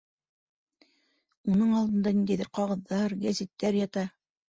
Уның алдында ниндәйҙер ҡағыҙҙар, гәзиттәр ята.